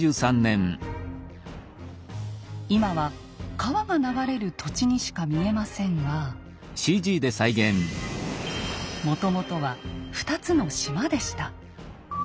今は川が流れる土地にしか見えませんがもともとは２つの島でした。